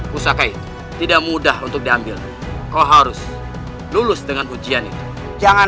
pusakai tidak mudah untuk diambil kau harus lulus dengan ujian itu jangan